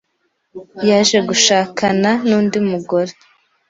yaje gushakana n’undi mugore